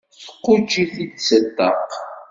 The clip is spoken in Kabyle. Tquǧǧ-it-id seg ṭṭaq.